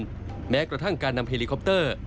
จะต้องการการนำเฮลีคอปเตอร์